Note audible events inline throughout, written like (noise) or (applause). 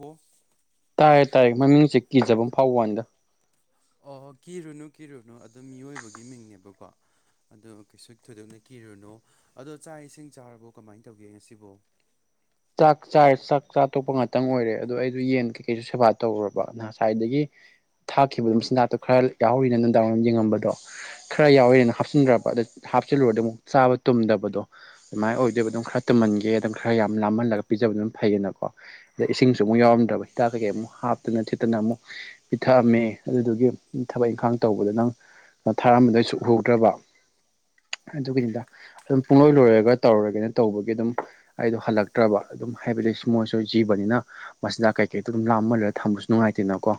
ꯑꯣ ꯇꯥꯔꯦ ꯇꯥꯔꯦ ꯃꯃꯤꯡꯁꯦ ꯀꯤꯖꯕ ꯐꯥꯎ ꯋꯥꯟꯗ ꯑꯣ ꯀꯤꯔꯨꯅꯨ ꯀꯤꯔꯨꯅꯨ ꯑ ꯃꯤꯑꯣꯏꯕꯒꯤ ꯃꯤꯡꯅꯦꯕꯀꯣ ꯑꯗꯣ ꯀꯩꯁꯨ ꯊꯣꯏꯗꯣꯛꯅ ꯀꯤꯔꯨꯅꯨ ꯑꯗꯣ ꯆꯥꯛ ꯏꯁꯤꯡ ꯆꯥꯔꯕꯣ ꯀꯃꯥꯏꯅ ꯇꯧꯒꯦ ꯉꯁꯤꯕꯣ (unintelligible) ꯆꯥꯛ ꯆ ꯆꯥꯛ ꯆꯥ ꯇꯣꯛꯄ ꯉꯥꯛꯇꯪ ꯑꯣꯏꯔꯦ ꯑꯗꯣ ꯑꯩꯁꯨ ꯌꯦꯟ ꯀꯩꯀꯩꯁꯨ ꯁꯦꯕꯥ ꯇꯧꯔꯕ ꯉꯁꯥꯏꯗꯒꯤ ꯊꯥꯈꯤꯕꯗꯨꯣ ꯃꯆꯤꯟꯖꯥꯛꯇꯣ ꯈꯔ ꯌꯥꯎꯔꯤꯅ ꯅꯨꯡꯗꯥꯡ ꯋꯥꯝ ꯌꯦꯡꯉꯝꯕꯗꯣ ꯈꯔ ꯌꯥꯎꯔꯤꯦꯅ ꯍꯥꯞꯆꯤꯟꯗ꯭ꯔꯕ ꯑꯗ ꯍꯥꯞꯆꯤꯜꯂꯨꯔꯗꯤ ꯑꯃꯨꯛ ꯆꯥꯕ ꯇꯨꯝꯗꯕꯗꯣ ꯑꯗꯨꯃꯥꯏꯅ ꯑꯣꯏꯗꯣꯏꯕ ꯑꯗꯨꯝ ꯈꯔ ꯇꯨꯝꯍꯟꯒꯦ ꯑꯗꯨꯝ ꯈꯔ ꯌꯥꯝ ꯂꯥꯝꯍꯜꯂꯒ ꯄꯤꯖꯕ ꯑꯗꯨꯝ ꯐꯩꯌꯦꯅꯀꯣ ꯑꯗ ꯏꯁꯤꯡꯁꯨ ꯑꯃꯨꯛ ꯌꯥꯎꯔꯝꯗ꯭ꯔꯕꯤꯥꯛ ꯀꯩꯀꯩ ꯑꯃꯨꯛ ꯍꯥꯞꯇꯅ ꯊꯤꯠꯇꯅ ꯑꯃꯨꯛ ꯄꯤꯊꯛꯑꯝꯃꯦ ꯑꯗꯨꯗꯨꯒꯤ ꯊꯕꯛ ꯏꯪꯈꯥꯡ ꯇꯧꯕꯗ ꯅꯪ ꯊꯥꯔꯝꯕꯗꯩ ꯁꯨꯛꯍꯧꯗ꯭ꯔꯕ ꯑꯗꯨꯒꯤꯅꯤꯗ ꯑꯗꯨꯝ ꯄꯨꯡꯂꯣꯏ ꯂꯣꯏꯔꯔꯒ ꯇꯧꯔꯨꯔꯒꯦꯅ ꯇꯧꯕꯒꯤ ꯑꯗꯨꯝ ꯑꯩꯗꯣ ꯍꯜꯂꯛ ꯅꯠꯇ꯭ꯔꯕ ꯑꯗꯨꯝ ꯍꯥꯏꯕꯗꯤ ꯁ ꯃꯣꯏꯁꯨ ꯖꯤꯕꯅꯤꯅ ꯃꯁꯤꯗ ꯀꯩꯀꯩꯗꯣ ꯑꯗꯨꯝ ꯂꯥꯝꯃꯜꯂꯒ ꯊꯝꯕꯁꯨ ꯅꯨꯡꯉꯥꯏꯇꯦꯅꯀꯣ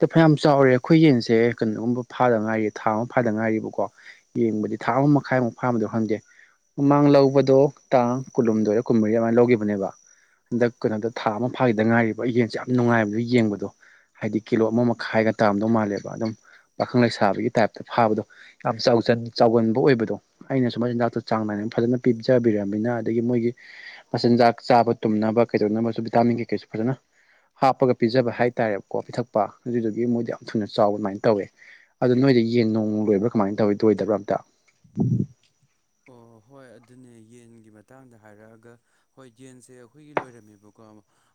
ꯑ ꯐꯌꯥꯝ ꯆꯥꯎꯔꯦ ꯑꯩꯈꯣꯏ ꯌꯦꯟꯁꯦ ꯀꯩꯅꯣꯒꯨꯝꯕ ꯐꯥꯗ ꯉꯥꯏꯔꯤ ꯊꯥ ꯑꯃ ꯐꯥꯗ ꯉꯥꯏꯔꯤꯕꯀꯣ ꯌꯦꯡꯕꯗꯤ ꯊꯥ ꯑꯃ ꯃꯈꯥꯏꯃꯨꯛ ꯐꯥꯕꯗꯣ ꯈꯪꯗꯦ ꯃꯃꯥꯡ ꯂꯧꯕꯗꯣ ꯇꯥꯡ ꯀꯨꯟꯍꯨꯝꯗꯣꯏꯔ ꯀꯨꯟꯃꯔꯤ ꯑꯗꯨꯃꯥꯏꯅ ꯂꯧ ꯈꯤꯕꯅꯦꯕ ꯍꯟꯗꯛ ꯀꯩꯅꯣꯗ ꯊꯥ ꯑꯃ ꯐꯥꯈꯤꯗ ꯉꯥꯏꯔꯤꯕ ꯌꯦꯟꯁꯦ ꯌꯥꯝ ꯅꯨꯡꯉꯥꯏꯕꯗꯨ ꯌꯦꯡꯕꯗꯣ ꯍꯥꯏꯗꯤ ꯀꯤꯂꯣ ꯑꯃ ꯃꯈꯥꯏꯒ ꯇꯥꯝꯗꯧ ꯃꯥꯜꯂꯦꯕ ꯑꯗꯨꯝ ꯄꯥꯈꯪ ꯂꯩꯁꯥꯕꯒꯤ ꯇꯥꯏꯞꯇ ꯐꯥꯕꯗꯣ ꯌꯥꯝ ꯆꯥꯎꯒꯟꯕ ꯑꯣꯏꯕꯗꯣ ꯑꯩꯅꯁꯨ ꯃꯆꯤꯟꯖꯥꯛꯇꯣ ꯆꯥꯡ ꯅꯥꯩ ꯐꯖꯅ ꯄꯤꯖꯕꯤꯔꯅꯤꯅ ꯑꯗꯒꯤ ꯃꯣꯏꯒꯤ ꯃꯆꯤꯟꯖꯥꯛ ꯆꯥꯕ ꯇꯨꯝꯅꯕ ꯀꯩꯗꯧꯅꯕꯁꯨ ꯚꯤꯇꯥꯃꯤꯟ ꯀꯩꯀꯩꯁꯨ ꯐꯖꯅ ꯍꯥꯞꯄꯒ ꯄꯤꯖꯕ ꯍꯥꯏꯇꯥꯔꯦꯕꯀꯣ ꯄꯤꯊꯛꯄ ꯑꯗꯨꯗꯨꯒꯤ ꯃꯣꯏꯗ ꯌꯥꯝ ꯊꯨꯅ ꯆꯥꯎꯕ ꯑꯗꯨꯃꯥꯏꯅ ꯇꯧꯋꯦ ꯑꯗꯨꯣ ꯅꯣꯏ ꯁꯤ ꯌꯦꯟ ꯅꯣꯡꯨ ꯂꯣꯏꯕ꯭ꯔꯥ ꯀꯃꯥꯏꯅ ꯇꯧꯋꯤ ꯂꯣꯏꯗꯕ꯭ꯔꯥ ꯑꯝꯇ ꯑꯣ ꯍꯣꯏ ꯑꯗꯨꯅꯦ ꯌꯦꯟꯒꯤ ꯃꯇꯥꯡꯗ ꯍꯥꯏꯔꯛꯑꯒ ꯍꯣꯏ ꯌꯦꯟꯁꯦ ꯑꯩꯈꯣꯏꯒꯤ ꯂꯣꯏꯔꯝꯃꯦꯕꯀꯣ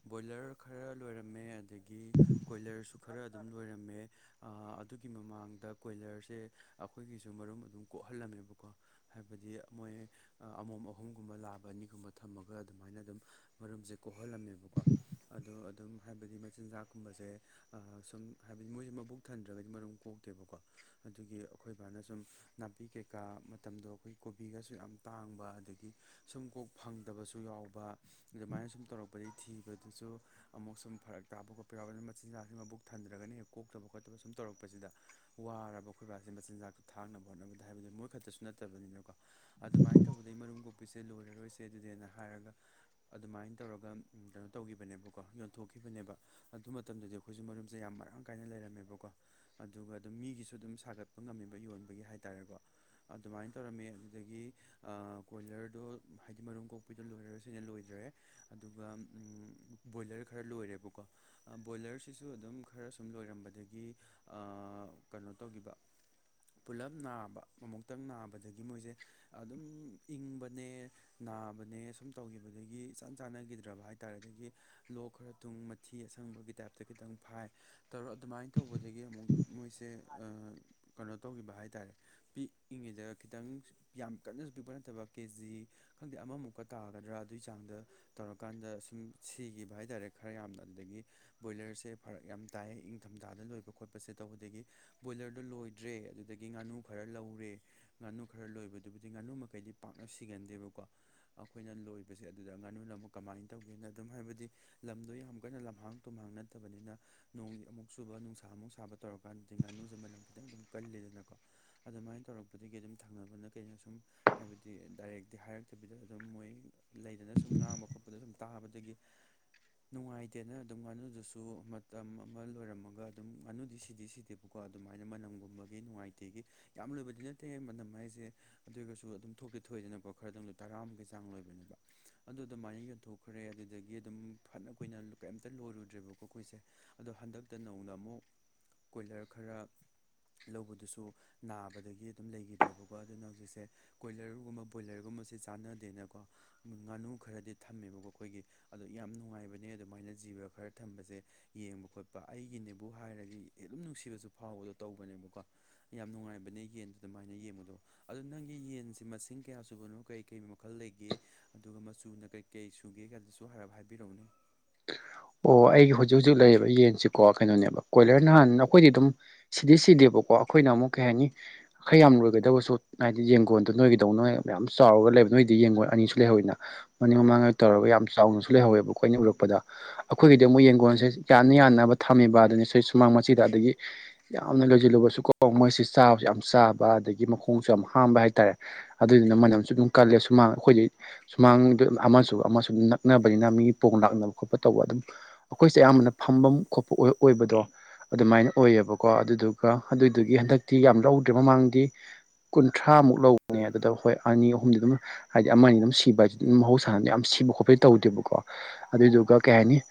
ꯕꯣꯏꯂꯔ ꯈꯔ ꯂꯣꯏꯔꯝꯃꯦ ꯑꯗꯒꯤ ꯀꯣꯏꯂꯔꯁꯨ ꯈꯔ ꯑꯗꯨꯝ ꯂꯣꯏꯔꯝꯃꯦ ꯑꯗꯨꯒꯤ ꯃꯃꯥꯡꯗ ꯀꯣꯏꯂꯔꯁꯦ ꯑꯩꯈꯣꯏꯒꯤꯁꯨ ꯃꯔꯨꯝ ꯑꯗꯨꯝ ꯀꯣꯛ ꯀꯍꯜꯂꯝꯃꯦꯕꯀꯣ ꯍꯥꯏꯕꯗꯤ ꯃꯣꯏ ꯑꯃꯣꯝ ꯑꯍꯨꯝꯒꯨꯝꯕ ꯂꯥꯛꯕ ꯑꯅꯤꯒꯨꯝꯕ ꯊꯝꯃꯒ ꯑꯗꯨꯃꯥꯏꯅ ꯑꯗꯨꯝ ꯃꯔꯨꯝꯁꯦ ꯀꯣꯛꯍꯜꯂꯝꯃꯦꯕꯀꯣ ꯑꯗꯣ ꯑꯗꯨꯝ ꯍꯥꯏꯕꯗꯤ ꯃꯆꯤꯟꯖꯥꯛ ꯀꯨꯝꯕꯁꯦ ꯁꯨꯝ ꯍꯥꯏꯕꯗꯤ ꯃꯣꯏꯁꯤꯃꯛ ꯃꯕꯨꯛ ꯊꯟꯗ꯭ꯔꯒꯗꯤ ꯃꯔꯨꯝ ꯀꯣꯛꯇꯦꯕꯀꯣ ꯑꯗꯨꯒꯤ ꯑꯩꯈꯣꯏ ꯕꯥꯅ ꯁꯨꯝ ꯅꯥꯄꯤ ꯀꯩꯀꯥ ꯃꯇꯝꯗꯣ ꯑꯩꯈꯣꯏ ꯀꯣꯕꯤꯒꯁꯨ ꯌꯥꯝ ꯇꯥꯡꯕ ꯑꯗꯒꯤ ꯁꯨꯝ ꯀꯣꯛ ꯐꯪꯗꯕꯁꯨ ꯌꯥꯎꯕ ꯑꯗꯨꯃꯥꯏꯅ ꯁꯨꯝ ꯇꯧꯔꯛꯄꯗꯒꯤ ꯊꯤꯕꯗꯨꯁꯨ ꯑꯃꯨꯛ ꯁꯨꯝ ꯐꯔꯛ ꯇꯥꯕ ꯈꯣꯠꯄ ꯌꯥꯎꯕ ꯑꯗꯨꯅ ꯃꯆꯤꯟꯖꯥꯛꯁꯤꯦ ꯃꯕꯨꯛ ꯊꯟꯔ꯭ꯔꯒ ꯍꯦꯛ ꯀꯣꯛ ꯊꯣꯛꯇꯕ ꯈꯣꯠꯇꯕ ꯁꯨꯝ ꯇꯧꯔꯛꯄꯁꯤꯗ ꯋꯥꯔꯕ ꯑꯩꯈꯣꯏꯕꯥꯁꯦ ꯃꯆꯤꯟꯖꯥꯛꯇ ꯊꯥꯛꯅꯕ ꯍꯣꯠꯅꯕꯗ ꯍꯥꯏꯕꯗꯤ ꯃꯣꯏ ꯈꯛꯇꯁꯨ ꯅꯠꯇꯦ ꯐꯠꯇꯕꯅꯤꯅꯀꯣ ꯑꯗꯨꯃꯥꯏꯅ ꯇꯧꯕꯗꯩ ꯃꯔꯨꯝ ꯀꯣꯛꯄꯤꯁꯦ ꯂꯣꯏꯔꯔꯣꯏꯁꯦ ꯑꯗꯨꯅꯦꯅ ꯍꯥꯏꯔꯒ ꯑꯗꯨꯃꯥꯏꯅ ꯇꯧꯔ ꯀꯩꯅꯣ ꯇꯧꯈꯤꯕꯅꯦꯕꯀꯣ ꯌꯣꯟꯊꯣꯛꯈꯤꯕꯅꯦꯕ ꯑꯗꯨ ꯃꯇꯝꯗꯗꯤ ꯑꯩꯈꯣꯏꯁꯨ ꯃꯔꯝꯁꯦ ꯌꯥꯝ ꯃꯔꯥꯡ ꯀꯥꯏꯅ ꯂꯩꯦ ꯔꯦ (unintelligible) (inaudible) ꯇꯧꯔꯝꯃꯤ ꯑꯗꯨꯗꯒꯤ ꯀꯣꯏꯂꯔꯗꯣ ꯍꯥꯏꯗꯤ ꯃꯔꯨꯝ ꯀꯣꯛꯄꯤꯗꯣ ꯂꯣꯏꯔꯔ ꯁꯤꯅ ꯂꯣꯏꯗ꯭ꯔꯦ ꯑꯗꯨꯒ ꯕꯣꯏꯂꯔ ꯈꯔ ꯂꯣꯏꯔꯦꯕꯀꯣ ꯕꯣꯏꯂꯔꯁꯤꯁꯨ ꯑꯗꯨꯝ ꯈꯔ ꯁꯨꯝ ꯂꯣꯏꯔꯝꯕꯅꯦ ꯑ ꯀꯩꯅꯣ ꯇꯧ ꯄꯨꯂꯞ ꯅꯥꯕ ꯑꯃꯨꯛꯇꯪ ꯅꯥꯕ ꯑꯗꯒꯤ ꯃꯣꯏꯁꯦ ꯑꯗꯨꯝ ꯏꯪꯕꯅꯦ ꯅꯥꯕꯅꯦ ꯁꯁꯨꯝ ꯇꯧꯈꯤꯕꯗꯒꯤ ꯆꯥꯟ ꯆꯥꯅ ꯗ꯭ꯔꯕ ꯍꯥꯏꯇꯥꯔꯗꯒꯤ ꯂꯣꯛ ꯈꯔ ꯊꯨꯡ ꯃꯊꯤ ꯑꯁꯪꯕꯒꯤ ꯇꯥꯏꯞꯇ ꯈꯤꯇꯪ ꯐꯥꯏ ꯇ ꯑꯗꯨ ꯀꯃꯥꯏꯅ ꯇꯧꯕꯗꯒꯤ ꯑꯃꯨꯛ ꯃꯣꯏꯁꯦ ꯀꯩꯅꯣ ꯇꯧꯈꯤꯕ ꯍꯥꯏꯇꯥꯔꯦ ꯄꯤꯛꯏꯉꯤꯗ ꯈꯤꯇꯪ ꯌꯥꯝ ꯀꯟꯅꯁꯨ ꯄꯤꯛꯄ ꯅꯠꯇꯕ ꯀꯦ ꯖꯤ ꯈꯪꯗꯦ ꯑꯃꯃꯨꯛꯀ ꯇꯥꯒꯗ꯭ꯔꯥ ꯑꯗꯨꯒꯤ ꯆꯥꯡꯗ ꯇꯧꯔꯀꯥꯟꯗ ꯁꯁꯨꯝ ꯁꯤꯈꯤꯕ ꯍꯥꯏꯇꯥꯔꯦ ꯈꯔ ꯌꯥꯝꯅ ꯑꯗꯨꯗꯒꯤ ꯕꯣꯏꯂꯔꯁꯦ ꯐꯔꯛ ꯌꯥꯝꯅ ꯇꯥꯏꯌꯦ ꯏꯪꯊꯝ ꯗꯥꯥꯗ ꯂꯣꯏꯕ ꯈꯣꯠꯄꯁꯦ ꯇꯧꯕꯗꯒꯤ ꯕꯣꯏꯂꯔꯗꯣ ꯂꯣꯏꯗ꯭ꯔꯦ ꯑꯗꯨꯗꯒꯤ ꯉꯥꯅꯨ ꯈꯔ ꯂꯧꯔꯦ ꯉꯥꯅꯨ ꯈꯔ ꯂꯣꯏꯕꯗꯨꯕꯨꯗꯤ ꯉꯥꯅꯨ ꯃꯈꯩꯗꯤ ꯄꯥꯛꯅ ꯁꯤꯒꯟꯗꯦꯕꯀꯣ ꯑꯩꯈꯣꯏꯅ ꯂꯣꯏꯕꯁꯦ ꯑꯗꯨꯗ ꯉꯥꯅꯨ ꯇꯧꯦ ꯍꯥꯏꯕꯗꯤ ꯂꯝ ꯌꯥꯝ ꯀꯟꯅ ꯂꯝꯍꯥꯡ ꯇꯨꯝꯍꯥꯡꯠꯇꯕꯅꯤ ꯁꯨꯕ ꯅꯨꯡꯁꯥꯃꯨꯛ ꯁꯥꯕ ꯇꯧꯔꯀꯥꯟꯗꯗꯤ ꯉꯥꯅꯨꯁꯦ ꯃꯅꯝ ꯈꯤꯇꯪ ꯑꯗꯨꯝ ꯀꯜꯜꯂꯤꯦꯗꯅꯀꯣ ꯑꯗꯨꯃꯥꯏꯅ ꯇꯧꯔꯛꯄꯗ ꯑꯗꯒꯤ ꯑꯗꯨꯝ ꯊꯪꯅꯕꯅ ꯀꯩꯅꯣ ꯁꯨꯝ ꯍꯥꯏꯕꯗꯤ ꯗꯥꯏꯔꯦꯛꯇꯤ ꯍꯥꯏꯔꯛꯇꯕꯤꯗ ꯑꯗꯨꯝ ꯃꯣꯏ ꯂꯩꯗꯅ ꯁꯨꯝ ꯉꯥꯡꯕ ꯈꯣꯠꯄꯗ ꯁꯨꯝ ꯇꯥꯕꯗꯒꯤ ꯅꯨꯡꯉꯥꯏꯇꯦꯅ ꯑꯗꯨꯝ ꯉꯥꯅꯨꯗꯨꯁꯨ ꯃꯇꯝ ꯑꯃ ꯂꯣꯏꯔꯝꯃꯒ ꯑꯗꯨꯝ ꯉꯥꯅꯨꯗꯤ ꯁꯤꯗꯤ ꯁꯤꯗꯦꯕꯀꯣ ꯑꯗꯨꯃꯥꯏꯅ ꯃꯅꯝꯒꯨꯝꯕꯒꯤ ꯅꯨꯡꯉꯥꯏꯇꯦꯒꯤ ꯌꯥꯝ ꯂꯣꯏꯕꯅꯤꯅ ꯑꯦꯛ ꯃꯇꯝꯅꯝ ꯍꯥꯏꯁꯦ ꯑꯗꯨ ꯑꯣꯏꯔꯒꯁꯨ ꯑꯗꯨꯝ ꯊꯣꯛꯇꯤ ꯊꯣꯛꯣꯏꯏꯗꯅꯀꯣ ꯈꯔꯗꯪ ꯇꯔꯥꯃꯨꯛꯀꯤ ꯆꯥꯡ ꯂꯣꯏꯕꯅꯦꯕ ꯑꯗꯨꯃꯥꯏꯅ ꯌꯣꯟꯊꯣꯛꯈ꯭ꯔꯦ ꯑꯗꯨꯗꯒꯤ ꯑꯗꯨꯝ ꯐꯅ ꯀꯨꯏꯅ ꯀꯩꯝꯇ ꯂꯣꯏꯔꯨꯗ꯭ꯔꯦꯕꯀꯣ ꯑꯩꯈꯣꯏꯁꯦ ꯑꯗꯣ ꯍꯟꯗꯛ ꯛꯇ ꯅꯧꯅ ꯑꯃꯨꯛ ꯀꯣꯏꯂꯔ ꯈꯔ ꯂꯧꯕꯗꯨꯁꯨ ꯅꯥꯕꯗꯒꯤ ꯑꯗꯨꯝ ꯂꯩꯈꯤꯗ꯭ꯔꯦꯕꯀꯣ ꯑꯗꯨꯅ ꯍꯧꯖꯤꯛꯁꯦ ꯀꯣꯏꯂꯔꯒꯨꯝꯕ ꯕꯣꯏꯂꯔꯒꯨꯝꯕꯁꯦ ꯆꯥꯟꯅꯗꯦꯅꯀꯣ ꯉꯥꯅꯨ ꯈꯔꯗꯤ ꯊꯝꯃꯦꯕꯀꯣ ꯑꯩꯈꯣꯏꯒꯤ ꯑꯗꯣ ꯌꯥꯝ ꯅꯨꯡꯉꯥꯏꯕꯅꯦ ꯑꯗꯨꯃꯥꯏꯅ ꯖꯤꯕ ꯈꯔ ꯊꯝꯕꯁꯦ ꯌꯦꯡꯕ ꯈꯣꯠꯄ ꯒꯤꯅꯦꯕꯨ ꯍꯥꯏꯔꯗꯤ ꯑꯗꯨ ꯅꯨꯡꯁꯤꯕꯁꯨ ꯐꯥꯎꯕꯗꯣ ꯇꯧꯕꯅꯦꯕꯀꯣ ꯌꯥꯝ ꯅꯨꯡꯉꯥꯏꯕꯅꯦ ꯌꯦ ꯑꯗꯨꯃꯥꯏꯅ ꯌꯦꯡꯕꯗꯣ ꯑꯗꯨꯗ ꯅꯪꯒꯤ ꯌꯦꯟꯁꯦ ꯃꯁꯤꯡ ꯀꯌꯥ ꯆꯨꯕꯅꯣ ꯀꯔꯤ ꯀꯩ ꯃꯈꯜ ꯂꯩꯒꯦ ꯑꯗꯨꯒ ꯁꯨꯅ ꯀꯩ ꯀꯩ ꯁꯨꯒꯦꯒꯗꯨꯁꯨ ꯍꯥꯏꯔꯥꯞ ꯍꯥꯏꯕꯤꯔꯛꯎꯅꯦ ꯑꯣ ꯑꯩꯒꯤ ꯍꯧꯖꯤꯛ ꯍꯧꯖꯤꯛ ꯂꯩꯌꯦꯕ ꯌꯦꯟꯁꯤꯀꯣ ꯀꯩꯅꯣꯅꯦꯕ ꯀꯣꯏꯂꯔ ꯅꯍꯥꯟ ꯑꯩꯈꯣꯏꯗꯤ ꯑꯗꯨꯝ ꯁꯤꯗꯤ ꯁꯤꯗꯦꯕꯀꯣ ꯀꯣ ꯑꯩꯈꯣꯏꯅ ꯑꯃꯨꯛ ꯀꯩ ꯍꯥꯏꯅꯤ ꯈꯔ ꯌꯥꯝ ꯂꯣꯏꯒꯗꯕꯁꯨ ꯍꯥꯏꯗꯤ ꯌꯦꯡꯒꯣꯟꯗꯣ ꯅꯣꯏꯒꯤꯗꯧꯅ ꯃꯌꯥꯝ ꯆꯥꯎꯔꯒ ꯂꯩꯕ ꯅꯣꯏꯗꯤ ꯌꯦꯡꯉꯣꯡ ꯑꯅꯤꯁꯨ ꯂꯩꯍꯧꯋꯤꯅ ꯃꯅꯤꯡ ꯃꯃꯥꯡꯉꯩ ꯇꯧꯔꯒ ꯌꯥꯝꯅ ꯆꯥꯎꯅꯁꯨ ꯂꯩꯍꯧꯋꯦꯕ ꯑꯩꯈꯣꯏꯅ ꯎꯔꯛꯄ ꯄꯗ ꯑꯩꯈꯣꯏꯒꯤꯗꯤ ꯑꯃꯨꯛ ꯌꯦꯡꯒꯣꯟꯁꯦ ꯌꯥꯟꯅ ꯌꯥꯟꯅꯕ ꯊꯝꯃꯤꯕ ꯑꯗꯨꯅꯤ ꯁꯤ ꯁꯨꯃꯥꯡ ꯃꯆꯤꯗ ꯑꯗꯒꯤ ꯌꯥꯝꯅ ꯂꯣꯏꯁꯤꯜꯂꯨꯕꯁꯨ ꯀꯣ ꯃꯣꯏꯁꯤ ꯆꯥꯕꯁꯨ ꯌꯥꯝ ꯆꯥꯕ ꯑꯗꯒꯤ ꯃꯈꯣꯡꯁꯨ ꯌꯥꯝ ꯍꯥꯝꯕ ꯍꯥꯏꯇꯥꯔꯦ ꯑꯗꯨꯗꯨꯅ ꯃꯅꯝꯁꯨ ꯌꯥꯝ ꯀꯜꯂꯦ ꯁꯨꯃꯥꯡ ꯑꯩꯈꯣꯏꯗꯤ ꯁꯨꯃꯥꯡꯗ ꯑꯃꯁꯨ ꯑꯃꯁꯨ ꯑꯗꯨꯝ ꯅꯛꯅꯕꯅꯤꯅ ꯃꯤ ꯄꯣꯡ ꯂꯥꯛꯅꯕ ꯈꯣꯠꯄ ꯇꯧꯕ ꯑꯗꯨꯝ ꯑꯩꯈꯣꯏꯁꯦ ꯑꯌꯥꯝꯕꯅ ꯐꯝꯐꯝ ꯈꯣꯠꯄ ꯑꯣꯏꯕꯗꯣ ꯑꯗꯨꯃꯥꯏꯅ ꯑꯣꯏꯌꯦꯕꯀꯣ ꯑꯗꯨꯗꯨꯒ ꯑꯗꯨꯏꯗꯨꯒꯤ ꯍꯟꯗꯛꯇꯤ ꯌꯥꯝ ꯂꯧꯗ꯭ꯔꯦ ꯃꯃꯥꯡꯗꯤ ꯀꯨꯟꯊ꯭ꯔꯥꯃꯨꯛ ꯂꯧꯕꯅꯦ ꯑꯗꯨꯗ ꯍꯣꯏ ꯑꯅꯤ ꯑꯍꯨꯝꯗꯤ ꯑꯗꯨꯝ ꯍꯥꯏꯗꯤ ꯑꯃꯅꯤ ꯑꯗꯨꯝ ꯁꯤꯕ ꯍꯥꯏ ꯑꯗꯨꯝ ꯃꯍꯧꯁꯥꯅ ꯌꯥꯝ ꯁꯤ ꯁꯤꯕ ꯈꯣꯠꯄꯗꯤ ꯇꯧꯗꯦꯕꯀꯣ ꯑꯗꯨꯏꯗꯨꯒ ꯀꯩ ꯍꯥꯏꯅꯤ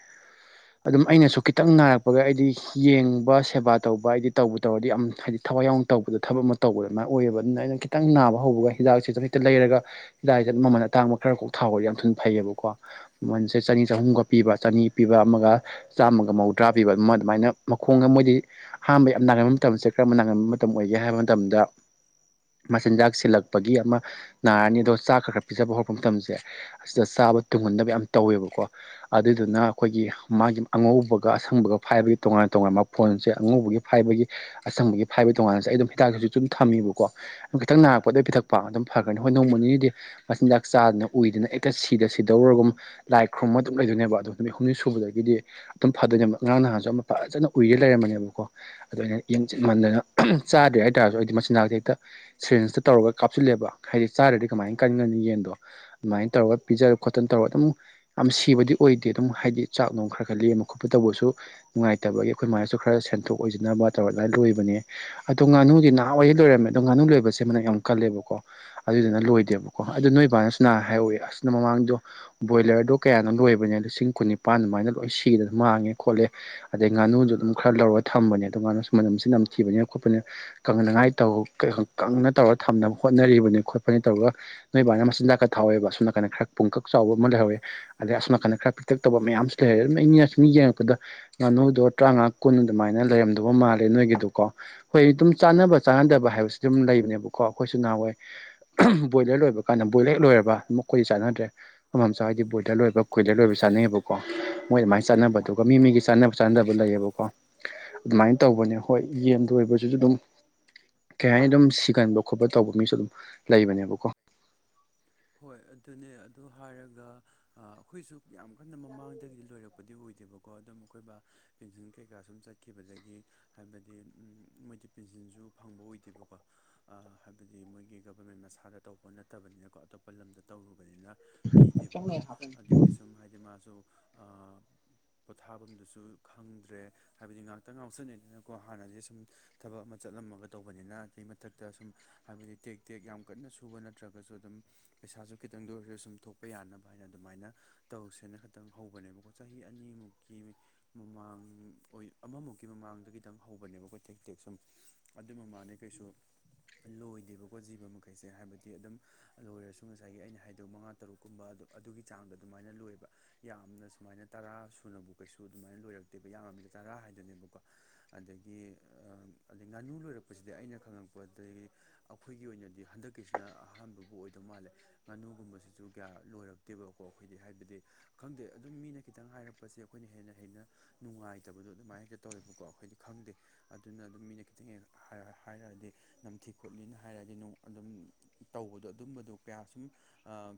ꯑꯗꯨꯝ ꯑꯩꯅꯁꯨ ꯈꯤꯇꯪ ꯅꯥꯔꯛꯄꯒ ꯑꯩꯗꯤ ꯌꯦꯡꯕ ꯁꯦꯕꯥ ꯇꯧꯕ ꯍꯥꯏꯗꯤ ꯇꯧꯕ ꯇꯧꯔꯗꯤ ꯑꯗꯨꯝ ꯍꯥꯏꯗꯤ ꯊꯋꯥꯏ ꯌꯥꯎꯅ ꯇꯧꯕꯗ ꯊꯕꯛ ꯑꯃ ꯇꯧꯕꯗ ꯑꯗꯨꯃꯥꯏꯅ ꯑꯣꯏꯌꯦꯕ ꯑꯗꯨꯅ ꯑꯩꯅ ꯈꯤꯇꯪ ꯅꯥꯕ ꯍꯧꯕ ꯍꯤꯗꯥꯛꯁꯤ ꯍꯦꯠꯇ ꯂꯩꯔꯒ ꯍꯤꯗꯥꯛ ꯃꯃꯜ ꯑꯇꯥꯡꯕ ꯈꯔ ꯈꯣꯛ ꯊꯥꯎꯕꯗꯤ ꯌꯥꯝ ꯊꯨꯅ ꯐꯩꯌꯦꯕꯀꯣ ꯃꯃꯜꯁꯦ ꯆ ꯆꯍꯨꯝꯒ ꯄꯤꯕ ꯆꯅꯤ ꯄꯤꯕ ꯑꯃꯒ ꯆꯥꯝꯃꯒ ꯃꯧꯗ꯭ꯔꯥ ꯄꯤꯕ ꯑꯗꯨꯃ ꯑꯗꯨꯃꯥꯏꯅ ꯃꯈꯣꯡꯒ ꯃꯣꯏꯗꯤ ꯑꯍꯥꯟꯕ ꯌꯥꯝ ꯅꯥꯒꯥꯟꯕ ꯃꯇꯝꯁꯦ ꯀꯔꯝꯕ ꯅꯥꯒꯥꯟꯕ ꯃꯇꯝ ꯑꯣꯏꯒꯦ ꯍꯥꯏꯕ ꯃꯇꯝꯗ ꯃꯆꯤꯟꯖꯥꯛ ꯁꯤꯜꯂꯛꯄꯒꯤ ꯑꯃ ꯅꯥꯔꯅꯤ ꯑꯗꯣ ꯆꯥꯛ ꯈꯔ ꯈꯔ ꯄꯤꯖꯕ ꯍꯧꯔꯛꯄ ꯃꯇꯝꯁꯦ ꯑꯁꯤꯗ ꯆꯥꯕ ꯇꯨꯡꯍꯟꯗꯕ ꯌꯥꯝ ꯇꯧꯋꯦꯕꯀꯣ ꯑꯗꯨꯗꯨꯅ ꯑꯩꯈꯣꯏꯒꯤ ꯃꯥꯒꯤ ꯑꯉꯧꯕꯒ ꯑꯁꯪꯕꯒ ꯐꯥꯏꯕꯒꯤ ꯇꯣꯉꯥꯟ ꯇꯣꯉꯥꯟꯕ ꯃꯐꯣꯟꯁꯦ ꯑꯉꯧꯕꯒꯤ ꯐꯥꯏꯕꯒꯤ ꯑꯁꯪꯕꯒꯤ ꯐꯥꯏꯕ ꯇꯣꯉꯥꯟꯅꯁꯦ ꯑꯩ ꯑꯗꯨꯝ ꯍꯤꯗꯥꯛꯁꯨ ꯆꯨꯝ ꯊꯝꯃꯤꯕꯀꯣ ꯑꯗꯨꯝ ꯈꯤꯇꯪ ꯅꯥꯔꯛꯄ ꯑꯗꯨꯝ ꯄꯤꯊꯛꯄ ꯑꯗꯨꯝ ꯐꯒ꯭ꯔꯅꯤ ꯍꯣꯏ ꯅꯣꯡꯃ ꯅꯤꯅꯤꯗꯤ ꯃꯆꯤꯟꯖꯥꯛ ꯆꯥꯗꯅ ꯎꯏꯗꯅ ꯍꯤꯛꯇ ꯁꯤꯗ ꯁꯤꯗꯧꯔꯒꯨꯝ ꯂꯥꯏ ꯈꯨꯝꯃ ꯑꯗꯨꯝ ꯂꯩꯗꯣꯏꯅꯦꯕ ꯑꯑꯗꯣ ꯅꯨꯃꯤꯠ ꯍꯨꯝꯅꯤ ꯁꯨꯕꯗꯒꯤꯗꯤ ꯑꯗꯨꯝ ꯐꯗꯣꯏꯅꯦꯕ ꯑꯉꯥꯡ ꯅꯍꯥꯟꯁꯨ ꯑꯃ ꯐꯖꯅ ꯎꯏꯔꯦ ꯂꯩꯔꯝꯃꯦꯅꯦꯕ ꯑꯗꯨ ꯑꯩꯅ ꯌꯦꯟ ꯆꯟꯃꯟꯗꯅ ꯆꯥꯗ꯭ꯔꯦ ꯍꯥꯏꯇꯥꯥꯔꯁꯨ ꯑꯩꯗꯤ ꯃꯆꯤꯟꯥꯛꯁꯦ ꯍꯦꯛꯇ ꯁꯦꯟꯁꯇ ꯇꯧꯔꯒ ꯀꯥꯞ ꯍꯥꯞꯆꯤꯜꯂꯦꯕ ꯍꯥꯏꯗꯤ ꯆꯥꯗꯔꯗꯤ ꯀꯃꯥꯏꯅ ꯀꯟꯒꯅꯤ ꯌꯦꯟꯗꯣ ꯑꯗꯨꯃꯥꯏꯅ ꯇꯧꯔꯒ ꯄꯤꯖꯔꯦ ꯈꯣꯠꯇꯅ ꯇꯧꯔꯒ ꯑꯗꯨꯝ ꯌꯥꯝ ꯁꯤꯕꯗꯤ ꯑꯣꯏꯗꯦ ꯑꯗꯨꯝ ꯍꯥꯏꯗꯤ ꯆꯥꯛ ꯅꯨꯡ ꯈꯔ ꯈꯔ ꯂꯦꯝꯃ ꯈꯣꯠꯄ ꯇꯧꯕꯁꯨ ꯅꯨꯡꯉꯥꯏꯇꯕꯒꯤ ꯑꯩꯈꯣꯏ ꯃꯥꯥꯏꯅꯁꯨ ꯈꯔ ꯁꯦꯟꯊꯣꯛ ꯑꯣꯏꯁꯤꯟꯅꯅꯕ ꯇꯧꯔ ꯂꯥꯏ ꯂꯣꯏꯕꯅꯦ ꯑꯗꯣ ꯉꯥꯅꯨꯗꯤ ꯅꯍꯥꯋꯥꯩ ꯂꯣꯏꯔꯝꯃꯦ ꯑꯗꯣ ꯉꯥꯅꯨ ꯂꯣꯏꯕꯁꯦ ꯃꯅꯛ ꯌꯥꯝ ꯀꯜꯂꯦ ꯑꯗꯨꯗꯨꯅ ꯂꯣꯏꯗꯦꯕꯀꯣ ꯑꯗꯨ ꯅꯣꯏ ꯕꯥꯕꯥꯅꯁꯨ ꯅꯍꯥꯟ ꯍꯥꯏꯍꯧꯋꯦ ꯑꯁ ꯃꯃꯥꯡꯗꯣ ꯕꯣꯏꯂꯔꯗꯣ ꯀꯌꯥꯅꯣ ꯂꯣꯏꯕꯅꯦ ꯂꯤꯁꯤꯡ ꯀꯨꯟꯅꯤꯄꯥꯥꯟ ꯑꯗꯨꯃꯥꯏꯅ ꯂꯣꯏ ꯁꯤꯗꯅ ꯃꯥꯡꯉꯦ ꯈꯣꯠꯂꯦ ꯑꯗꯩ ꯉꯥꯅꯨꯁꯨ ꯑꯗꯨꯝ ꯈꯔ ꯂꯧꯔ ꯊꯝꯕꯅꯦ ꯑꯗꯨ ꯃꯥꯅꯁꯨ ꯃꯅꯝꯁꯤ ꯅꯝꯊꯤꯕꯅꯤꯅ ꯈꯣꯠꯄꯅꯤꯅ ꯀꯪꯅꯉꯥꯏ ꯇꯧ ꯀꯪꯅ ꯇꯧꯔꯒ ꯊꯝꯅꯕ ꯍꯣꯠꯅꯔꯤꯕꯅꯤ ꯈꯣꯠꯄꯅꯦ ꯇꯧꯔꯒ ꯅꯣꯏ ꯕꯥꯅ ꯃꯆꯤꯟꯖꯥꯛꯀ ꯊꯥꯎꯋꯦꯕ ꯑꯁꯣꯝ ꯅꯥꯀꯟꯗ ꯈꯔ ꯄꯨꯡꯀꯛ ꯆꯥꯎꯕ ꯑꯃ ꯂꯩꯍꯧꯋꯦ ꯑꯗꯩ ꯑꯁꯣꯝꯅꯥꯀꯥꯟ ꯈꯔ ꯄꯤꯛꯇꯥꯛ ꯇꯧꯕ ꯃꯌꯥꯝꯁꯨ ꯂꯩꯔꯦ ꯑꯗꯨꯝ ꯑꯩ ꯁꯨꯝ ꯌꯦꯡꯉꯥꯛꯄꯗ ꯉꯥꯅꯨꯗꯣ ꯇꯔꯥꯃꯉꯥ ꯀꯨꯟ ꯑꯗꯨꯃꯥꯏꯅ ꯂꯩꯔꯝꯗꯧꯕ ꯃꯥꯜꯂꯦ ꯅꯣꯏꯒꯤꯗꯨꯀꯣ ꯍꯣꯏ ꯑꯗꯨꯝ ꯆꯥꯟꯅꯕ ꯆꯥꯟꯅꯗꯕ ꯍꯥꯏꯕꯁꯤ ꯑꯗꯨꯝ ꯂꯩꯕꯅꯦꯕꯀꯣ ꯑꯩꯈꯣꯏꯁꯨꯅꯥ ꯕꯣꯏꯂꯔ ꯂꯣꯏꯕ ꯀꯥꯟꯗ ꯕꯣꯏꯂꯔ ꯍꯦꯛ ꯂꯣꯏꯔꯕ ꯑꯩꯈꯣꯏꯗꯤ ꯑꯗꯨꯝ ꯆꯥꯟꯅꯗ꯭ꯔꯦ ꯃꯥꯃꯝ ꯆꯥ ꯍꯣꯢꯒꯤ ꯕꯣꯢꯂꯔ ꯂꯣꯏꯕ ꯀꯨꯏꯂꯔ ꯂꯣꯏꯕ ꯆꯥꯅꯑꯦꯕꯀꯣ ꯃꯣꯏ ꯑꯗꯨꯃꯥꯏꯅ ꯆꯥꯟꯅꯕ ꯑꯗꯨꯒ ꯃꯤ ꯃꯤꯒꯤ ꯆꯥꯟꯅꯕ ꯆꯥꯟꯅꯕ ꯂꯩꯌꯦꯕꯀꯣ ꯑꯗꯨꯃꯥꯏꯅ ꯇꯧꯕꯅꯦ ꯍꯣꯏ ꯌꯦꯟ ꯂꯣꯏꯕꯁꯤꯁꯨ ꯑꯗꯨꯝ ꯀꯩ ꯍꯥꯏꯅ ꯑꯗꯨꯝ ꯁꯤꯒꯟꯕ ꯈꯣꯠꯄ ꯇꯧꯕ ꯃꯤꯁꯨ ꯑꯗꯨꯝ ꯂꯩꯕꯅꯦꯕꯀꯣ ꯍꯣꯏ ꯑꯗꯨꯅꯦ ꯑꯗꯨ ꯍꯥꯏꯔꯒ ꯑꯩꯈꯣꯏꯁꯨ ꯌꯥꯝ ꯀꯟꯅ ꯃꯃꯥꯡꯗꯒꯤꯗꯤ ꯂꯣꯏꯔꯛꯄꯗꯤ ꯑꯣꯏꯗꯦꯕꯀꯣ ꯀꯣ ꯑꯗꯨꯝ ꯑꯈꯣꯏ ꯕꯥ ꯄꯦꯟꯁꯤꯟ ꯀꯩꯀꯥ ꯁꯨꯝ ꯆꯠꯈꯤꯕꯗꯒꯤ ꯍꯥꯏꯕꯗꯤ ꯃꯣꯏꯗꯤ ꯄꯦꯟꯁꯤꯟꯁꯨ ꯑ ꯐꯪꯕ ꯑꯣꯏꯗꯦꯕꯀꯣ ꯍꯥꯏꯕꯗꯤ ꯃꯣꯏꯒꯤ ꯂꯝꯗ ꯇꯧꯔꯨꯕꯅꯤꯅ ꯄꯤꯗꯦꯕꯀꯣ ꯑꯗꯨꯒꯤ ꯁꯨꯝ ꯍꯥꯏꯗꯤ ꯃꯥꯁꯨ ꯄꯣꯊꯥꯐꯝꯗꯨꯁꯨ ꯈꯪꯗ꯭ꯔꯦ ꯍꯥꯏꯕꯗꯤ ꯉꯥꯛꯇ ꯉꯥꯎꯁꯤꯟ ꯅꯩꯗꯅꯀꯣ ꯍꯥꯟꯅꯗꯤ ꯁꯨꯝ ꯊꯕꯛ ꯆꯠꯂꯝꯃꯒ ꯇꯧꯕꯅꯤꯅ ꯑꯗꯨꯏ ꯃꯊꯛꯇ ꯁꯨꯝ ꯍꯥꯏꯕꯗꯤ ꯇꯦꯛ ꯇꯦꯛ ꯌꯥꯝ ꯀꯟꯅ ꯁꯨꯕ ꯅꯠꯇ꯭ꯔꯒꯁꯨ ꯑꯗꯨꯝ ꯄꯩꯁꯥꯁꯨ ꯈꯤꯇꯪꯗ ꯑꯣꯏꯔꯁꯨ ꯁꯨꯝ ꯊꯣꯛꯄ ꯌꯥꯅꯕ ꯍꯥꯏꯅ ꯑꯗꯨꯃꯥꯏꯅ ꯇꯧꯁꯦꯅ ꯈꯥꯇꯪ ꯍꯧꯕꯅꯦꯕꯀꯣ ꯆꯍꯤ ꯑꯅꯤ ꯃꯃꯥꯡ ꯑꯣꯏ ꯑꯃꯃꯨꯛꯀꯤ ꯃꯃꯥꯡꯗꯒꯤ ꯈꯤꯇꯪ ꯍꯧꯕꯅꯦꯕ ꯑꯩꯈꯣꯏ ꯇꯦꯛ ꯇꯦꯛ ꯁꯨꯝ ꯑꯗꯨ ꯃꯃꯥꯡꯗꯒꯤ ꯀꯩꯁꯨ ꯂꯣꯏꯗꯦꯕꯀꯣ ꯖꯤꯕ ꯃꯈꯩꯁꯦ ꯍꯥꯏꯕꯗꯤ ꯑꯗꯨꯝ ꯂꯣꯏꯔꯁꯨ ꯉꯁꯥꯏꯒꯤ ꯑꯩꯅ ꯍꯥꯏꯗꯣ ꯃꯉꯥ ꯇꯔꯨꯛ ꯀꯨꯝꯕ ꯑꯗꯨ ꯑꯗꯨꯒꯤ ꯆꯥꯡꯗ ꯑꯗꯨꯃꯥꯏꯅ ꯂꯣꯏꯌꯦꯕ ꯌꯥꯝꯅ ꯁꯨꯃꯥꯏꯅ ꯇꯔꯥ ꯁꯨꯅꯕꯨ ꯀꯩꯁꯨ ꯑꯗꯨꯃꯥꯏꯅ ꯂꯣꯏꯔꯛꯇꯦꯕ ꯌꯥꯝꯃꯕꯗ ꯇꯔꯥ ꯍꯥꯏꯗꯨꯅꯦꯕꯀꯣ ꯑꯗꯒꯤ ꯑꯗꯩ ꯉꯥꯅꯨ ꯂꯣꯏꯔꯛꯄꯁꯤꯗꯤ ꯑꯩꯅ ꯈꯪꯉꯛꯄꯗꯒꯤ ꯑꯩꯈꯣꯏꯒꯤ ꯑꯣꯏꯅꯗꯤ ꯍꯟꯗꯛꯀꯤꯁꯤꯅ ꯑꯍꯥꯟꯕꯕꯨ ꯑꯣꯏꯗꯧ ꯃꯥꯜꯂꯦ ꯉꯥꯅꯨꯒꯨꯝꯕꯁꯤꯁꯨ ꯀꯌꯥ ꯂꯣꯏꯔꯛꯇꯦꯕꯀꯣ ꯑꯩꯈꯣꯏꯗꯤ ꯍꯥꯏꯕꯗꯤ ꯈꯪꯗꯦ ꯑꯗꯨꯝ ꯃꯤꯅ ꯈꯤꯇꯪ ꯍꯥꯏꯔꯛꯄꯁꯦ ꯁꯤ ꯑꯩꯈꯣꯏꯅ ꯍꯦꯟꯅ ꯍꯦꯟꯅ ꯅꯨꯡꯉꯥꯏꯇꯕꯗꯣ ꯑꯗꯨꯃꯥꯏꯅ ꯍꯦꯛꯇ ꯇꯧꯋꯦꯕꯀꯣ ꯑꯩꯈꯣꯏꯗꯤ ꯈꯪꯗꯦ ꯑꯗꯨꯅ ꯑꯗꯨꯝ ꯃꯤꯅ ꯈꯤꯇꯪ ꯍ ꯍꯥꯏꯔꯗꯤ ꯅꯝꯊꯤ ꯈꯣꯠꯂꯤꯅ ꯍꯥꯏꯔꯗꯤ ꯑꯗꯨꯝ ꯇꯧꯕꯗꯣ ꯑꯗꯨꯝꯕꯗꯨ ꯀꯌꯥ ꯁꯨꯝ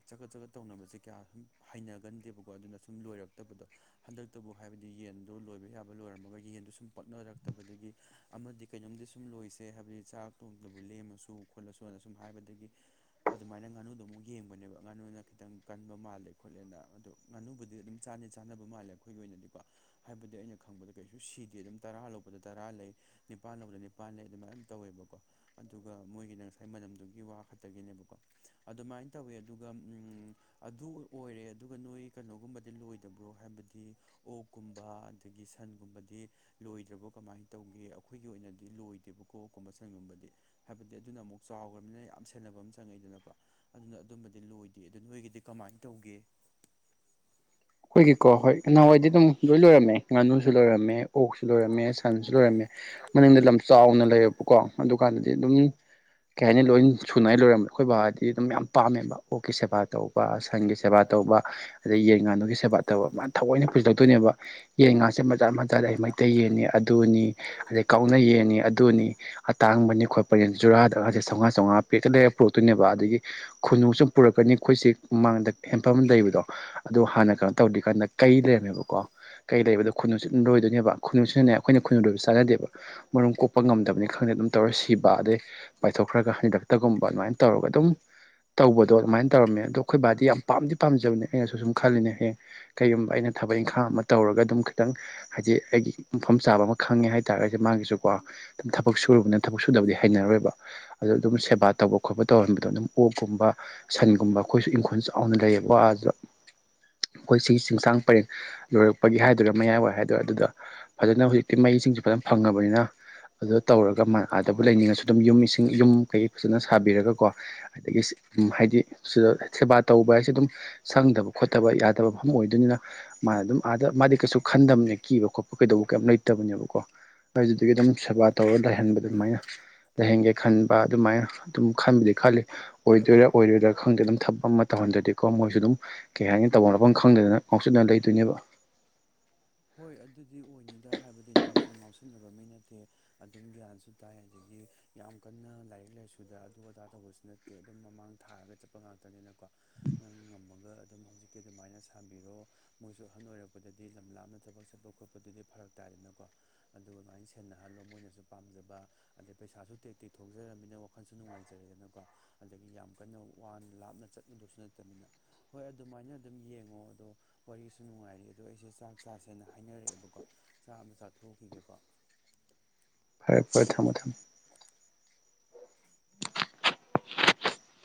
ꯆꯒꯠ ꯆꯒꯠ ꯇꯧꯅꯕꯁꯦ ꯀꯌꯥ ꯁꯨꯝ ꯍꯩꯅꯒꯟꯗꯦꯕꯀꯣ ꯑꯗꯨꯅ ꯁꯨꯝ ꯂꯣꯏꯔꯛꯇꯕꯗꯣ ꯍꯟꯗꯛꯇꯕꯨ ꯍꯥꯏꯕꯗꯤ ꯌꯦꯟꯗꯣ ꯂꯣꯏꯕ ꯌꯥꯕ ꯂꯣꯏꯔꯝꯃꯒ ꯌꯦꯟꯗꯨꯣ ꯁꯨꯝ ꯄꯛꯅꯔꯛꯇꯕꯗꯒꯤ ꯑꯃꯗꯤ ꯀ ꯌꯨꯝꯗꯤ ꯁꯨꯝ ꯂꯣꯏꯁꯦ ꯍꯥꯏꯕꯗꯤ ꯆꯥꯛ ꯇꯣꯡꯇꯕꯨ ꯂꯦꯝꯃꯁꯨ ꯈꯣꯠꯂꯁꯨ ꯑꯅ ꯁꯨꯝ ꯍꯥꯏꯕꯗꯒꯤ ꯑꯗꯨꯃꯥꯏꯅ ꯉꯥꯅꯨꯗꯣ ꯑꯃꯨꯛ ꯌꯦꯡꯕꯅꯦꯕ ꯉꯥꯅꯨꯅ ꯈꯤꯇꯪ ꯀꯟꯕ ꯃꯥꯜꯂꯦ ꯈꯣꯠꯂꯦꯅ ꯑꯗꯣ ꯉꯥꯅꯨꯕꯨꯗꯤ ꯑꯗꯨꯝ ꯆꯥꯅꯤ ꯆ ꯀꯥꯟꯅꯕ ꯃꯥꯜꯂꯦ ꯑꯩꯈꯣꯏꯒꯤ ꯑꯣꯏꯅꯗꯤꯀꯣ ꯍꯥꯏꯕꯗꯤ ꯑꯩꯅ ꯈꯪꯕꯗ ꯀꯩꯁꯨ ꯁꯤꯗꯦ ꯑꯗꯨꯝ ꯇꯔꯥ ꯂꯧꯕꯗ ꯇꯔꯥ ꯂꯩ ꯅꯤꯄꯥꯥꯟ ꯂꯗ ꯅꯤꯄꯥꯥꯟ ꯂꯩ ꯑꯗꯨꯃꯥꯏꯅ ꯇꯧꯋꯦꯕꯀꯣ ꯑꯗꯨꯒ ꯃꯣꯏꯒꯤꯅ ꯉꯁꯥꯏ ꯃꯅꯝꯗꯨꯒꯤ ꯋꯥ ꯈꯛꯇꯒꯤꯅꯦꯕꯀꯣ ꯑꯗꯨꯃꯥꯏꯅ ꯇꯧꯋꯦ ꯑꯗꯨꯒ ꯎꯝ ꯑꯗꯨ ꯑꯣꯏꯔꯦ ꯑꯗꯨꯒ ꯅꯣꯏ ꯀꯩꯅꯣꯒꯨꯝꯕꯗꯤ ꯂꯣꯏꯗꯕ꯭ꯔꯣ ꯍꯥꯏꯕꯗꯤ ꯑꯣꯛꯀꯨꯝꯕ ꯑꯗꯒꯤ ꯁꯟꯒꯨꯝꯕꯗꯤ ꯂꯣꯏꯗ꯭ꯔꯕꯣ ꯀꯃꯥꯏꯅ ꯇꯧꯒꯦ ꯑꯩꯈꯣꯏꯒꯤ ꯑꯣꯏꯅꯗꯤ ꯂꯣꯏꯗꯦꯕꯀꯣ ꯀꯨꯝꯕ ꯁꯟꯒꯨꯝꯕꯗꯤ ꯍꯥꯏꯕꯗꯤ ꯑꯗꯨꯅ ꯑꯃꯨꯛ ꯆꯥꯎꯈ꯭ꯔꯕꯅꯤꯅ ꯌꯥꯝ ꯁꯦꯟꯅꯕ ꯑꯃ ꯆꯪꯉꯛꯗꯅ ꯑꯗꯨꯅ ꯑꯗꯨꯝꯕꯗꯤ ꯂꯣꯏꯗꯦ ꯑꯗꯨ ꯅꯣꯏꯒꯤꯗꯤ ꯀꯃꯥꯏꯅ ꯇꯧꯒꯦ ꯑꯩꯈꯣꯏꯒꯤꯀꯣ ꯍꯣꯏ ꯅꯍꯥꯟꯋꯥꯏꯗꯤ ꯑꯗꯨꯝ ꯂꯣꯏ ꯂꯣꯏꯔꯝꯃꯦ ꯉꯥꯅꯨꯁꯨ ꯂꯣꯏꯔꯝꯃꯦ ꯑꯣꯛꯁꯨ ꯂꯣꯏꯔꯝꯃꯦ ꯁꯟꯁꯨ ꯂꯣꯏꯔꯝꯃꯦ ꯃꯅꯨꯡꯗ ꯂꯝ ꯆꯥꯎꯅ ꯂꯩꯌꯦꯕꯀꯣ ꯑꯗꯨꯀꯥꯟꯗꯗꯤ ꯑꯗꯨꯝ ꯀꯩ ꯍꯥꯏꯅꯤ ꯂꯣꯏ ꯁꯨꯅꯉꯥꯏ ꯂꯣꯏꯔꯝꯕ ꯑꯩꯈꯣꯏ ꯕꯕꯥꯗꯤ ꯑꯗꯨꯝ ꯌꯥꯝ ꯄꯥꯝꯃꯦꯕ ꯑꯣꯛꯀꯤ ꯁꯦꯕꯥ ꯇꯧꯕ ꯁꯟꯒꯤ ꯁꯦꯕꯥ ꯇꯧꯕ ꯇꯧꯕ ꯑꯗꯩ ꯌꯦꯟ ꯉꯥꯗꯨꯒꯤ ꯁꯦꯕꯥ ꯇꯧꯕ ꯃꯥꯅ ꯊꯑꯣꯏꯅ ꯄꯨꯁꯤꯜꯂꯛꯇꯣꯏꯅꯦꯕ ꯌꯦꯟꯒꯥꯁꯦ ꯃꯆꯥ ꯃꯆꯥꯗ ꯑꯩ ꯃꯩꯇꯩ ꯌꯦꯟꯅꯤ ꯑꯗꯨꯅꯤ ꯑꯗꯨ ꯑꯗꯩ ꯀꯥꯎꯅ ꯌꯦꯡꯅꯤ ꯑꯗꯨꯅꯤ ꯑꯇꯥꯡꯕꯅꯤ ꯈꯣꯠꯄꯅꯤ ꯖꯨꯔꯥꯗꯒꯁꯦ ꯆꯝꯉꯥ ꯆꯥꯝꯉꯥ ꯄꯤꯛꯀꯗ ꯄꯨꯔꯛꯇꯣꯏꯅꯦꯕ ꯑꯗꯒꯤ ꯈꯨꯟꯅꯨꯁꯨꯨꯝ ꯄꯨꯔꯛꯀꯅꯤ ꯑꯩꯈꯣꯏꯁꯦ ꯃꯥꯡꯗ ꯍꯦꯟꯐꯝ ꯂꯩꯕꯗꯣ ꯑꯗꯨ ꯍꯥꯟꯅ ꯇꯧꯔꯤ ꯀꯥꯟꯗ ꯀꯩꯗ꯭ꯔꯦꯅꯦꯕꯀꯣ ꯀꯩ ꯂꯩꯕꯗꯣ ꯈꯨꯅꯨꯁꯨ ꯂꯣꯏꯗꯣꯏꯅꯦꯕ ꯈꯨꯅꯁꯨꯠꯟꯅ ꯑꯩꯈꯣꯏꯅ ꯈꯨꯟꯅꯨ ꯂꯣꯏꯕ ꯆꯥꯅꯗꯦꯕ ꯃꯔꯨꯝ ꯀꯣꯛꯄ ꯉꯝꯗꯕꯅꯤ ꯈꯪꯗꯦ ꯑꯗꯨꯝ ꯇꯧꯔ ꯁꯤꯕ ꯑꯗꯩ ꯄꯥꯏꯊꯣꯛꯈ꯭ꯔꯒ ꯍꯟꯗꯛꯇꯒꯨꯝꯕ ꯑꯗꯨꯃꯥꯏꯅ ꯇꯧꯔꯒ ꯑꯗꯨꯝ ꯇꯧꯕꯗꯣ ꯑꯗꯨꯃꯥꯏꯅ ꯇꯧꯔꯝꯃꯦ ꯑꯗꯣ ꯑꯩꯈꯣꯏ ꯕꯥꯗꯤ ꯌꯥꯝ ꯄꯥꯝꯗꯤ ꯄꯥꯝꯖꯕꯅꯦ ꯑꯩꯅꯁꯨ ꯁꯨꯝ ꯈꯜꯂꯤꯅꯦ ꯍꯌꯦꯡ ꯀꯩꯒꯨꯝꯕ ꯑꯩꯅ ꯊꯕꯛ ꯏꯪꯈꯥꯡ ꯑꯃ ꯇꯧꯔꯒ ꯑꯗꯨꯝ ꯈꯤꯇꯪ ꯍꯥꯏꯗꯤ ꯑꯩꯒꯤ ꯃꯐꯝ ꯆꯥꯕ ꯑꯃ ꯈꯪꯉꯦ ꯍꯥꯏꯇꯥꯔꯦ ꯀꯁꯦ ꯃꯥꯥꯡꯒꯤꯁꯨꯀꯣ ꯑꯗꯨꯝ ꯊꯕꯛ ꯁꯨꯨꯔꯨꯕꯅꯤꯅ ꯊꯕꯛ ꯁꯨꯗꯕꯗꯤ ꯍꯩꯅꯔꯣꯏꯕ ꯑ ꯑꯗꯨꯣ ꯑꯗꯨꯝ ꯁꯦꯕꯥ ꯇꯧꯕ ꯈꯣꯠꯄ ꯇꯧꯕ ꯌꯣꯟꯕꯗꯣ ꯑꯗꯨꯝ ꯑꯣꯛꯀꯨꯝꯕ ꯁꯟꯒꯨꯝꯕ ꯑꯩꯈꯣꯏꯁꯨ ꯏꯪꯈꯣꯜ ꯆꯥꯎꯅ ꯂꯩꯌꯦꯕ ꯋꯥꯗ ꯍ ꯑꯩꯈꯣꯏ ꯁꯤꯒꯤ ꯆꯤꯡꯁꯥꯡ ꯄꯔꯦꯡ ꯂꯣꯏꯔꯛꯄꯒꯤ ꯍꯥꯏꯗꯣꯏꯔꯥ ꯃꯌꯥꯏꯋꯥꯏ ꯍꯥꯏꯗꯣꯏꯔꯥ ꯑꯗꯨꯗ ꯐꯖꯅ ꯍꯧꯖꯤꯛꯇꯤ ꯃꯩꯁꯤꯡꯁꯨ ꯐꯖꯅ ꯐꯪꯉꯕꯅꯤꯅ ꯑꯗꯨ ꯇꯧꯔꯒꯕꯨ ꯇꯧꯔꯒ ꯂꯩꯅꯤꯡꯉ ꯑꯗꯨꯝ ꯌꯨꯝ ꯀꯩ ꯐꯖ ꯁꯥꯕꯤꯔꯒꯀꯣ ꯑꯗꯒꯤ ꯍꯥꯏꯗꯤ ꯁꯤꯗ ꯁꯦꯕꯥ ꯇꯧꯕ ꯍꯥꯏꯁꯦ ꯑꯗꯨꯝ ꯁꯪꯗꯕ ꯈꯣꯠꯇꯕ ꯐꯠꯇꯕ ꯃꯐꯝ ꯑꯣꯏꯗꯣꯏꯅꯤꯅ ꯃꯥꯅ ꯑꯗꯨꯝ ꯑꯥꯗ ꯃꯥꯗꯤ ꯀꯩꯁꯨ ꯈꯟꯗꯕꯅꯦ ꯀꯤꯕ ꯈꯣꯠꯄ ꯀꯩꯗꯧꯕ ꯀꯩ ꯂꯩꯇꯕꯅꯦꯕꯀꯣ ꯑꯩꯗꯨꯗꯒꯤ ꯑꯗꯨꯝ ꯁꯦꯕꯥ ꯇꯧꯔ ꯂꯩꯍꯟꯕ ꯑꯗꯨꯃꯥꯏꯅ ꯂꯥꯏꯍꯡꯒꯦ ꯈꯟꯕ ꯑꯗꯨꯃꯥꯏꯅ ꯑꯗꯨꯝ ꯈꯟꯕꯨꯗꯤ ꯈꯜꯂꯤ ꯑꯣꯏꯗꯣꯏꯔꯥ ꯑꯣꯏꯗꯣꯏꯗꯔꯥ ꯈꯪꯗ꯭ꯔꯦ ꯑꯗꯨꯝ ꯊꯕꯛ ꯑꯃ ꯇꯧ ꯟꯗ꯭ꯔꯗꯤꯀꯣ ꯃꯣꯏꯁꯨ ꯑꯗꯨꯝ ꯀꯩ ꯍꯥꯏꯅꯤ ꯇꯧꯕꯐꯝꯅꯐꯝ ꯈꯪꯗꯗꯅ ꯉꯥꯎꯆꯗꯅ ꯂꯩꯗꯣꯏꯅꯦꯕ ꯍꯣꯏ ꯑꯗꯨꯗꯤ ꯑꯣꯏꯅꯤꯗ ꯍꯥꯏꯕꯗꯤ ꯅꯪꯁꯨ ꯉꯥꯎꯁꯤꯟꯅꯕ ꯃꯤ ꯅꯠꯇꯦ ꯑꯗꯨꯝ ꯒ꯭ꯌꯥꯟꯁꯨ ꯇꯥꯏ ꯑꯗꯒꯤ ꯍꯥꯏꯗꯤ ꯌꯥꯝ ꯀꯟꯅ ꯂꯥꯏꯔꯤꯛ ꯂꯥꯏꯁꯨꯗ ꯑꯗꯨ ꯑꯗꯥ ꯇꯧꯕꯁꯨ ꯅꯠꯇꯦ ꯑꯗꯨꯝ ꯃꯃꯥꯡ ꯊꯥꯔꯒ ꯆꯠꯄ ꯉꯥꯛꯇꯅꯤꯅ ꯀ ꯅꯪ ꯉꯝꯃꯒ ꯑꯗꯨꯝ ꯍꯧꯖꯤꯛꯀꯤ ꯑꯗꯨꯃꯥꯏꯅ ꯁꯥꯕꯤꯔꯣ ꯃꯣꯏꯁꯨ ꯑꯍꯟ ꯑꯣꯏꯔꯛꯄꯗꯗꯤ ꯂꯝ ꯂꯥꯞꯅ ꯊꯕꯛ ꯆꯠꯄ ꯈꯣꯠꯄꯗꯨꯗꯤ ꯐꯔꯛ ꯇꯥꯏꯗꯅꯀꯣ ꯑꯗꯨꯒ ꯑꯗꯨꯃꯥꯏꯅ ꯁꯦꯟꯅꯍꯜꯂꯣ ꯃꯣꯏꯅꯁꯨ ꯄꯥꯝꯖꯕ ꯑꯗꯩ ꯄꯩꯁꯥꯁꯨ ꯇꯦꯛ ꯇꯦꯛ ꯊꯣꯛꯖꯔꯝꯅꯤꯅ ꯋꯥꯈꯜꯁꯨ ꯅꯨꯡꯉꯥꯏꯖꯔꯦꯗꯅꯀꯣ ꯑꯗꯒꯤ ꯌꯥꯝ ꯀꯟꯅ ꯋꯥꯅ ꯂꯥꯞꯅ ꯆꯠ ꯅꯤꯅ ꯍꯣꯏ ꯑꯗꯨꯃꯥꯏꯅ ꯑꯗꯨꯝ ꯌꯦꯡꯉꯣ ꯑꯗꯣ ꯋꯥꯔꯤꯁꯨ ꯅꯨꯡꯉꯥꯏꯔ ꯑꯗꯣ ꯑꯩꯁꯦ ꯆ ꯆꯥꯛ ꯆꯁꯦꯅ ꯍꯥꯏꯅꯔꯛꯑꯦꯕꯀꯣ ꯆꯥ ꯑꯃ ꯆꯥꯊꯣꯛꯈꯤꯒꯦꯀꯣ ꯑꯩꯄꯔ ꯊꯝꯃꯣꯪ